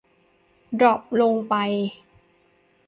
ดรอปลงไป